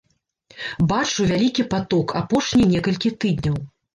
Бачу вялікі паток апошнія некалькі тыдняў.